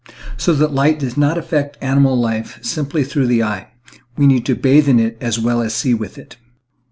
So that light does not affect animal life simply through the eye. We need to bathe in it as well as see with it.